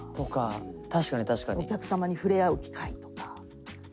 お客様に触れ合う機会とか。